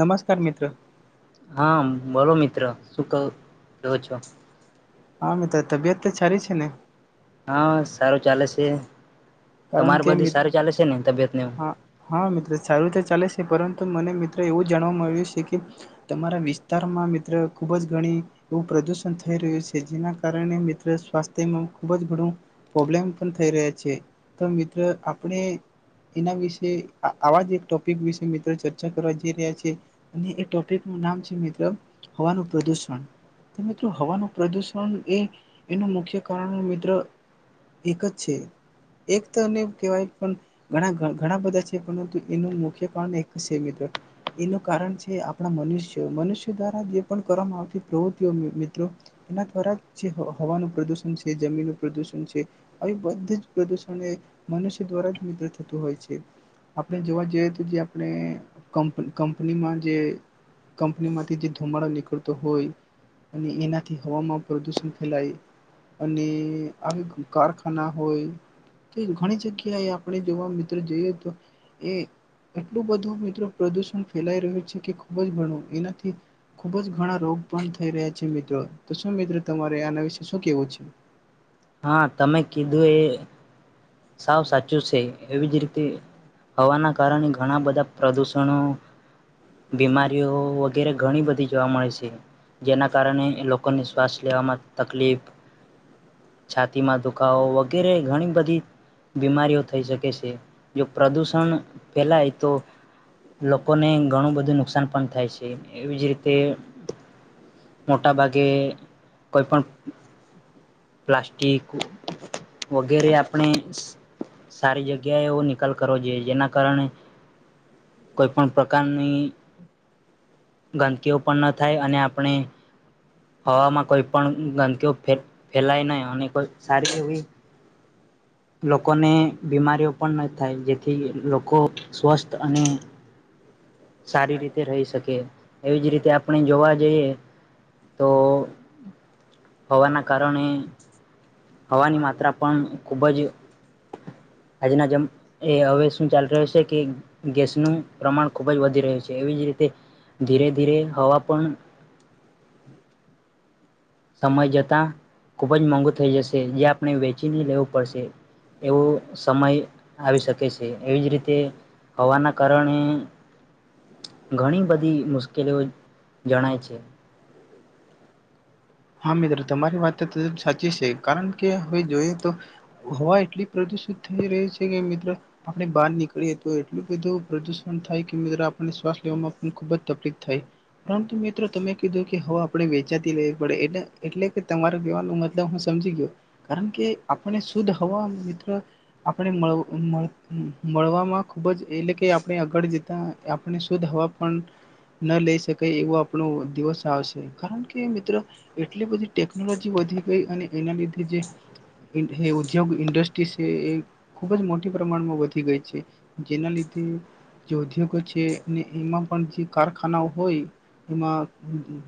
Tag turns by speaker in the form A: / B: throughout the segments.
A: નમસ્કાર મિત્ર.
B: હા બોલો મિત્ર શું કહ છો.
A: હા મિત્ર તબિયત તો સારી છે ને.
B: હા સારું ચાલે છે.
A: કારણ
B: તમાર
A: કે
B: બધું
A: મિત
B: સારું ચાલે છે ને તબિયત ને એવું?
A: હા હા મિત્ર સારું રીતે ચાલે છે. પરંતુ મને મિત્ર એવું જાણવા મળ્યું છે કે તમારા વિસ્તારમાં મિત્ર ખુબ જ ગણી એવું પ્રદુષણ થઈ રહ્યું છે જેના કારણે મિત્ર સ્વાસ્થ્યમાં ખુબ જ ઘણું પ્રોબ્લેમ પણ થઈ રહ્યા છે. તો મિત્ર આપણે એના વિશે આવા જ એક ટોપિક વિશે મિત્ર ચર્ચા કરવા જઈ રહ્યા છીએ અને એ ટોપિકનું નામ છે મિત્ર હવાનું પ્રદુષણ તો મિત્રો હવાનું પ્રદુષણ એ એનું મુખ્ય કારણ મિત્ર એક જ છે. એક તોને કહેવાય પણ ઘણા ઘણા બધા છે પરંતુ એનું મુખ્ય કારણ એક છે મિત્રો એનું કારણ છે આપણા મનુષ્ય. મનુષ્યો દ્વારા જે પણ કરવામાં આવતી પ્રવૃતિઓ મિત્રો એના દ્વારા જે હવાનું પ્રદુષણ છે જમીનનું પ્રદુષણ છે આવી બધ જ પ્રદૂષણ એ મનુષ્ય દ્વારા જ મિત્ર થતું હોય છે આપણે જોવા જઈએ તો જે આપણે કંપ કંપનીમાં જે કંપનીમાંથી જે ધુમાડો નીકળતો હોય અને એનાથી હવામાં પ્રદુષણ ફેલાય અને આવી કારખાના હોય. ઘણી જગ્યાએ આપણે જોવા મિત્રો જોઈએ તો એ એટલું બધું મિત્રો પ્રદુષણ ફેલાઈ રહ્યું છે કે ખૂબ જ ઘણું એનાથી ખૂબ જ ઘણા રોગ પણ થઈ રહ્યા છે મિત્રો તો શું મિત્ર તમારે આના વિશે શું કેવું છે?
B: હા તમે કીધું એ સાવ સાચું છે. એવી જ રીતે હવાના કારણે ઘણા બધા પ્રદૂષણો બીમારીઓ વગેરે ઘણી બધી જોવા મળે છે જેના કારણે લોકોને શ્વાસ લેવામાં તકલીફ છાતીમાં દુખાવો વગેરે ઘણી બધી બીમારીઓ થઈ શકે છે જો પ્રદુષણ ફેલાય તો લોકો ને ઘણું બધું નુક નુકસાન પણ થાય છે એવીજ રીતે મોટા ભાગે કોઈ પણ પ્લાસ્ટિક વગેરે આપણે સારી જગ્યા એ નિકાલ કરવો જોઈએ જેના કારણે કોઈ પણ પ્રકારની ગંદકીઓ પણ ન થાય અને આપણે હવામાં કોઈ પણ ગંદકીઓે ફે ફેલાય ન અને કોઈ સારી એવી લોકોને બીમારીઓ પણ ન થાય જેથી લોકો સ્વસ્થ અને સારી રીતે રહી શકે એવી જ રીતે આપણે જોવા જઈએ તો હવાના કારણે હવાની માત્રા પણ ખુબ જ આજના જ એ હવે શું ચાલી રહ્યું છે કે ગેસનું પ્રમાણ ખૂબ જ વધી રહ્યું છે એવી જ રીતે ધીરે ધીરે હવા પણ સમય જતા ખુબ જ મોંઘુ થઈ જશે જે આપણે વેચીને લેવું પડશે એવો સમય આવી શકે છે એવી જ રીતે હવાના કારણે ઘણી બધી મુશ્કેલીઓ જણાય છે.
A: હા મિત્ર તમારી વાત ત સાચી છે કારણ કે હવે જોઈએ તો હવા એટલી પ્રદુષિત થઈ રહી છે કે મિત્ર આપણે બહાર નીકળીએ તો એટલું બધું પ્રદુષણ થાય કે મિત્ર આપને શ્વાસ લેવામાં પણ ખુબ જ તકલીફ થાય પરંતુ મિત્રો તમે કીધું કે હવા આપણે વેચાતી લઈ પ એટલે એટલે કે તમારે કવાનો મતલબ હું સમજી ગયો કારણ કે આપને શુદ્ધ હવા મિત્ર આપણે મળવામાં ખૂબ જ એટલે કે આપણે આગળ જતા આપણે શુદ્ધ હવા પણ ન લઈ શકાય એવો આપણો દિવસ આવશે કારણ કે મિત્ર એટલી બધી ટેકનોલોજી વધી ગઈ અને એના લીધે જે ઉદ્યોગ ઇન્ડસ્ટ્રી છે એ ખુબ જ મોટી પ્રમાણમાં વધી ગઈ છે જેના લીધે જે ઉદ્યોગો છે અને એમાં પણ જે કારખાનાઓ હોય એમાં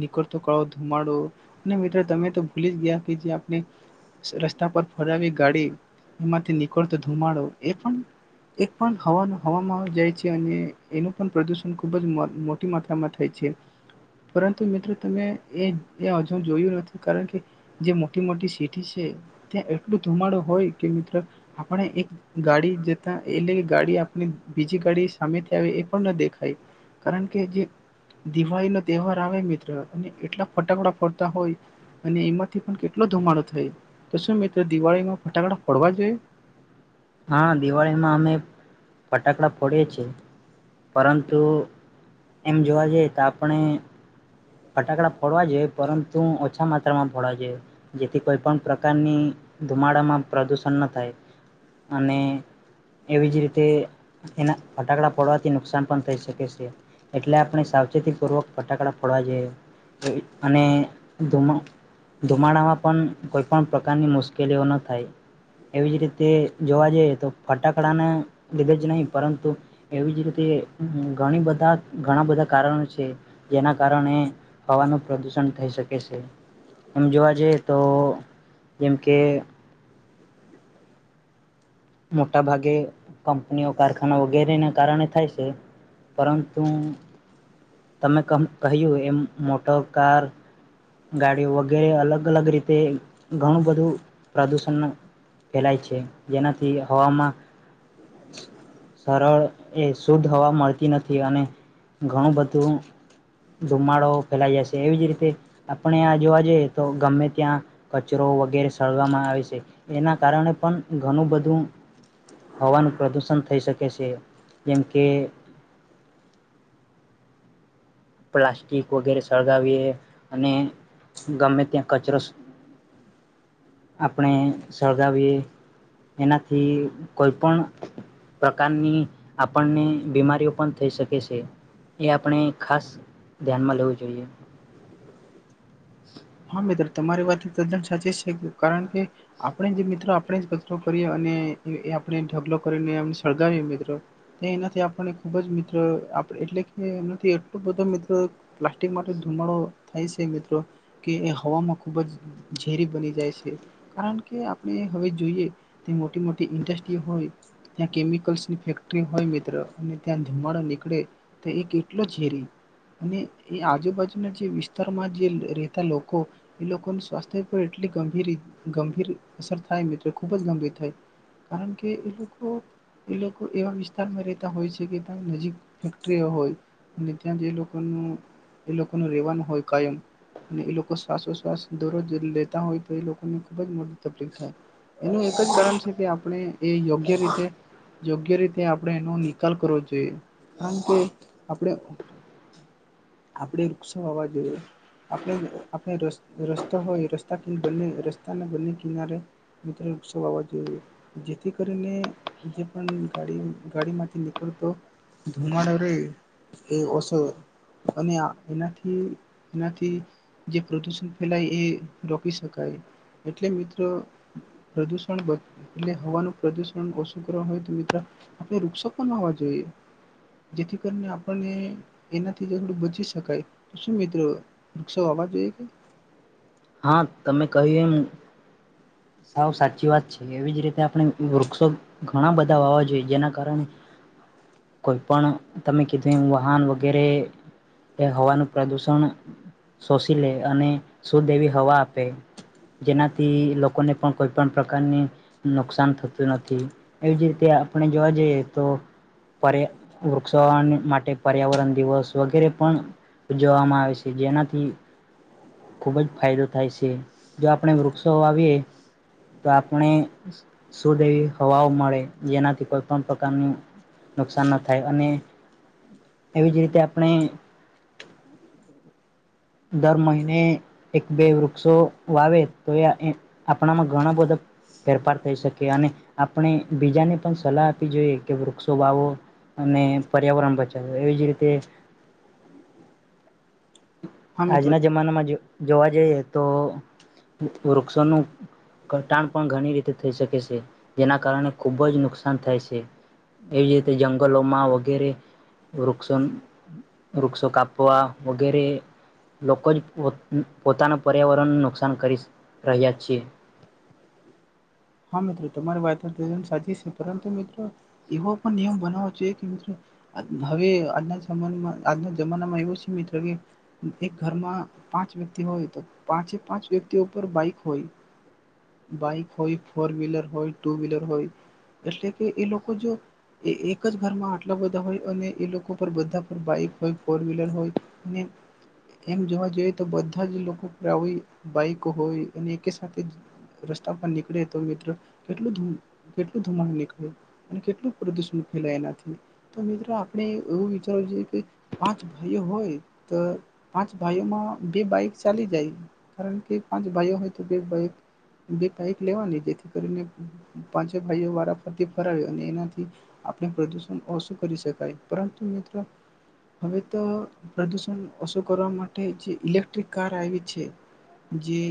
A: નીકળતો કાળો ધુમાડો તમે તો ભૂલી જ ગયા કે જે આપણે રસ્તા પર ફરવી ગાડી એમાંથી નીકળતો ધુમાડો એ પણ એક પણ હવામાં જાય છે અને એનું પણ પ્રદુષણ ખુબ જ મો મોટી માત્રામાં થાય છે પરંતુ મિત્રો તમે એ એ હજુ જોયું નથી કારણ કે જે મોટી મોટી સિટી છે ત્યાં એટલું ધુમાડો હોય કે મિત્ર આપણે એક ગાડી જતા એટલે કે ગાડી આપણી બીજી ગાડી સામેથી આવે એ પણ ન દેખાય કારણ કે જે દિવાળી ન તહેવાર આવે મિત્ર અને એટલા ફટાકડા ફરતા હોય અને એમાંથી પણ કેટલો ધુમાડો થાય તો શું મિત્રો દિવાળીમાં ફટાકડા ફોડવા જોઈએ
B: હા દિવાળીમાં અમે ફટાકડા ફોડીએ છીએ પરંતુ એમ જોવા જઈએ તો આપણે ફટાકડા ફડવા જોયે પરંતુ ઓછા માત્રામાં ફોડવા જોયે જેથી કોઈપણ પ્રકારની ધુમાડામાં પ્રદૂષણ ન થાય અને એવી જ રીતે એના ફટાકડા ફોડવાથી નુકસાન પણ થઈ શકે છે એટલે આપણે સાવચેતીપૂર્વક ફટાકડા ફડવા જઈએ એવી અને ધુ ધુમાડામાં પણ કોઈ પણ પ્રકારની મુશ્કેલીઓ ન થાય એવી જ રીતે જોવા જઈએ તો ફટાકડાને લીધે જ નહીં પરંતુ એવી જ રીતે ઘણી બધા ઘણાં બધા કારણો છે જેના કારણે હવાનું પ્રદૂષણ થઈ શકે છે એમ જોવા જઈએ તો જેમ કે મોટા ભાગે કંપનીઓ કારખાના વગેરેને કારણે થાય છે પરંતુ તમે કહું કહ્યું એ મોટર કાર ગાડીઓ વગેરે અલગ અલગ રીતે ઘણું બધું પ્રદુષણ ફેલાય છે જેનાથી હવામાં સરળ એ શુદ્ધ હવા મળતી નથી અને ઘણું બધું ધુમાડો ફેલાઈ જાય છે એવી જ રીતે આપણે આ જોવા જઈએ તો ગમે ત્યાં કચરો વગેરે સળવામાં આવે છે એના કારણે પણ ઘણું બધું હવાનું પ્રદુષણ થઈ શકે છે જેમ કે પ્લાસ્ટિક વગેરે સળગાવીએ અને ગમે ત્યાં કચરો આપણે સળગાવીએ એનાથી કોઈ પણ પ્રકારની આપણને બીમારીઓ પણ થઈ શકે છે એ આપણે ખાસ ધ્યાનમાં લેવું જોઈએ
A: હા મિત્ર તમારી વાત તદ્દન સાચી છે કારણ કે આપણે જે મિત્રો આપણે જ કચરો કરીએ અને એ આપણે ઢગલો કરીનેને સળગાવીએ મિત્રો તો એનાથી આપને ખુબ જ મિત્ર એટલે કે એનાથી એટલો બધો મિત્રો પ્લાસ્ટિક માટે ધુમાડો થાય છે મિત્ર કે એ હવામાં ખૂબ જ ઝેરી બની જાય છે કારણ કે આપણે હવે જોઈએ તે મોટી મોટી ઇન્ડસ્ટ્રી હોય ત્યાં કેમિકલ્સની ફેક્ટરી હોય મિત્ર અને ત્યાં ધુમાડો નીકળે તો એ કેટલો ઝેરી અને એ આજુબાજુના જે વિસ્તારમાં જે લોકો એ લોકો સ્વાસ્થ્ય પર એટલી ગંભીર ગંભીર અસર થાય મિત્રો ખુબ જ ગંભીર થાય કારણ કે એ લોકો એ લોકો એવા વિસ્તારમાં રહેતા હોય છે કે ત્યાં નજીક ફેક્ટરીઓ હોય અને ત્યાં જ એ લોકોનું એ લોકો ન રહેેવાનું હોય કાયમ અને એ લોકો શ્વાસોશ્વાસ દરરોજ લેતા હોય તો એ લોકોને ખુબ જ મોટી તકલીફ થાય એનું એક જ કારણ છે કે આપણે એ યોગ્ય રીતે યોગ્ય રીતે આપણે એનો નિકાલ કરવો જોઈએ કારણ કે આપણે આપણે વૃક્ષો હોવા જોઈએ આપણે રસ્તા હોય રસ્તા ક બ રસ્તાના બંને કિનારે મિત્રો ઉસવ આવવા જોઈએ જેથી કરીને જે પણ ગાડી ગાડી માંથી નીકળતો ધુમાડો ર એ ઓસો અને એનાથીનાથી પ્રદુષણ ફેલાય એ રોકી શકાય એટલે મિત્રો પ્રદુષણ એટલે હવાનું પ્રદુષણ ઓછું કરવા હોય તો મિત્ર આપણે વૃક્ષો પણ હોવા જોઈએ જેથી કરીને આપણને એનાથી થોડું બચી શકાય શું મિત્રો વૃક્ષો વાવા થી
B: હા તમે કહ્યું એમ સાવ સાચી વાત છે એવી જ રીતે આપણે વૃક્ષો ઘણા બધા વાવા જોઈએ જેના કારણે કોઈ પણ તમે કીધું એમ વાહન વગેરે એ હવાનું પ્રદુષણ શોષી લે અને સુદ એવી હવા આપે જેનાથી લોકોને પણ કોઈ પણ પ્રકારની નુકસાન થતું નથી એવી જ રીતે આપણે જોવા જઈએ તો પડે વૃક્ષો વવા માટે પર્યાવરણ દિવસ વગેરે પણ ઉજવવામાં આવે છે જેનાથી ખૂબ જ ફાયદો થાય છે જો આપણે વૃક્ષો વાવીએ તો આપણે શુદ્ધ એવી હવાઓ મળે જેનાથી કોઈ પણ પ્રકારની નુકસાન ન થાય અને એવી જ રીતે આપણે દર મહિને એક બે વૃક્ષો વાવે તો એ આપણામાં ઘણા બધા ફેરફાર થઈ શકે અને આપણે બીજાને પણ સલાહ આપવી જોઈએ કે વૃક્ષો વાવો અને પર્યાવરણ બચાવો એવી જ રીતે
A: હા મિત્રો
B: આજના જમાનામાં જો જોવા જઈએ તો વૃક્ષોનું ઘટાણ પણ ઘણી રીતે થઈ શકે છે જેના કારણે ખૂબ જ નુકસાન થાય છે એવી જ રીતે જંગલોમાં વગેરે વૃક્ષો વૃક્ષો કાપવા વગેરે લોકો જ પો પોતાના પર્યાવરણને નુકસાન કરી રહ્યા છે
A: હા મિત્ર તમારી વાત સાચી છે પરંતુ મિત્રો એવો પણ નિયમ બનાવો જોઈએ કે મિત્રો હવે આજના જમાં આજના જમાનામાં એવો છે મિત્ર કે એક ઘરમાં પાંચ વ્યક્તિ હોય તો પાંચે પાંચ વ્યક્તિ ઉપર બાઈક હોય બાઈક હોય. ફોર વ્હીલર હોય ટુ વ્લર હોય એટલે કે એ લોકો જો એ એક જ ઘરમાં આટલા બધા હોય અને એ લોકો પર બધા પર બાઈક હોય ફોર વ્હીલર હોય અને એમ જોવા જોઈએ તો બધા જ લોકો પર આવી બાઈક હોય અને એક સાથે રસ્તા પર નીકળે. તો મિત્ર કેટલું કેટલું ધુમાડ નીકળે અને કેટલું પ્રદૂષણ ફેલાય એનાથી તો મિત્ર આપણે એવું વિચારવું જોઈ કે પાંચ ભાઈઓ હોય તો પાંચ ભાઈઓમાં બે બાઈક ચાલી જાય કારણ કે પાંચ ભાઈઓ હોય તો બે બાઈક બે બાઈક લેવાની. ને પાંચો ભાઈઓ વારાફરથી ફરાવી અને એનાથી આપણે પ્રદુષણ ઓછું કરી શકાય પરંતુ મિત્ર હવે તો પ્રદુષણ ઓછું કરવા માટે જે ઇલેક્ટ્રિક કાર આવી છે જે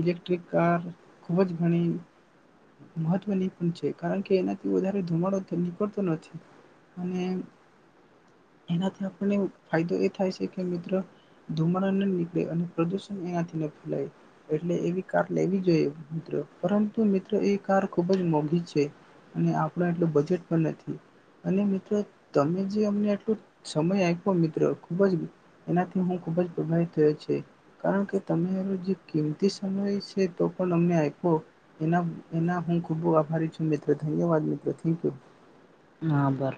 A: ઇલેક્ટ્રિક કાર ખૂબ જ ઘણી. મહત્વની પણ છે કારણ કે એનાથી વધારે ધુમાડો નીકળતો નથી અને એનાથી આપણને ફાયદો એ થાય છે કે મિત્ર ધુમાડ ન નીકળે અને પ્રદુષણ એનાથી ન ફેલાય એટલે એવી કાર લેવી જોઈએ મિત્ર પર. એ કાર ખૂબ જ મોંઘી છે અને આપણ એટલું બજેટ પણ નથી અને મિત્ર તમે જે અમને આટલો સમય આપવો મિત્ર ખુબ જ એનાથી હું ખૂબ જ પ્રભાવિત થયો છે કારણ કે તમે જે કિંમતી સમય છે તો પણ અમને આપવો. એના એના હું ખૂબ આભારી છું મિત્ર ધન્યવાદ મિત્ર થેન્ક યુ.
B: હા બર.